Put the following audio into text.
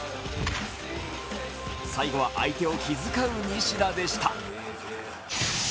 最後は相手を気遣う西田でした。